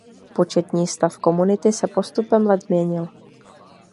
Početní stav komunity se postupem let měnil.